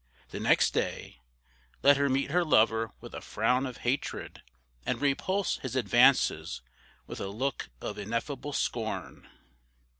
The next day, let her meet her lover with a frown of hatred, and repulse his advances with a look of ineffable scorn.